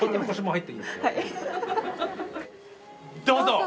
どうぞ！